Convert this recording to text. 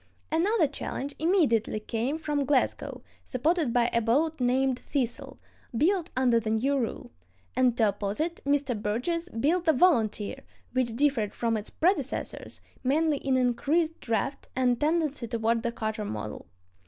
Another challenge immediately came from Glasgow, supported by a boat named Thistle, built under the new rule; and to oppose it Mr. Burgess built the Volunteer, which differed from its predecessors mainly in increased draft and tendency toward the cutter model.